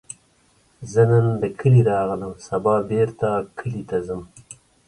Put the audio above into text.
زه نن له کلي راغلم، سبا بیرته کلي ته ځم